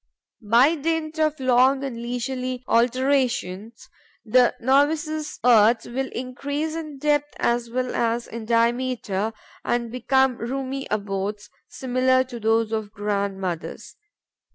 By dint of long and leisurely alterations, the novice's earths will increase in depth as well as in diameter and become roomy abodes, similar to those of the grandmothers.